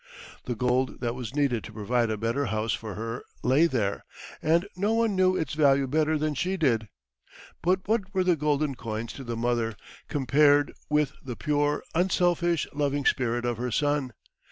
The gold that was needed to provide a better house for her lay there, and no one knew its value better than she did. But what were the golden coins to the mother, compared with the pure, unselfish, loving spirit of her son?